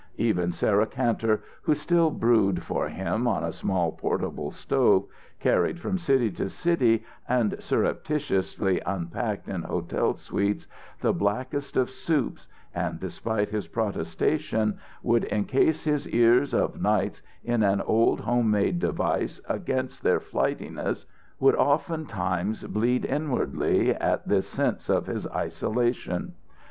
Even Sarah Kantor, who still brewed for him, on a small portable stove carried from city to city and surreptitiously unpacked in hotel suites, the blackest of soups, and, despite his protestation, would incase his ears of nights in an old home made device against their flightiness, would often times bleed inwardly at this sense of his isolation.